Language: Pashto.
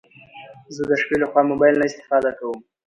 زه د شپې لخوا موبايل نه استفاده کوم